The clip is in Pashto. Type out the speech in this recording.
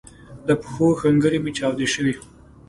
د پښو ښنګري می چاودی شوي